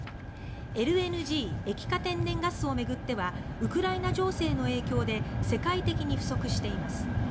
ＬＮＧ・液化天然ガスを巡ってはウクライナ情勢の影響で世界的に不足しています。